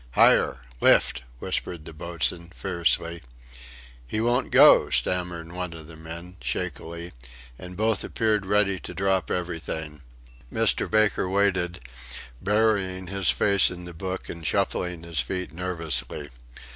"Higher! Lift!" whispered the boatswain, fiercely. "He won't go," stammered one of the men, shakily, and both appeared ready to drop everything. Mr. Baker waited, burying his face in the book, and shuffling his feet nervously.